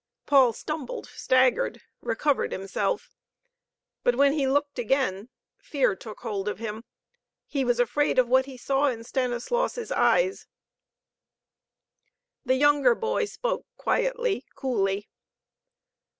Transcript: Paul stumbled, staggered, recovered himself. But when he looked again, fear took hold of him. He was afraid of what he saw in Stanislaus' eyes. The younger boy spoke quietly, coolly.